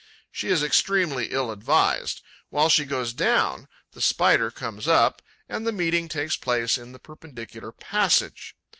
She is extremely ill advised: while she goes down, the Spider comes up; and the meeting takes place in the perpendicular passage.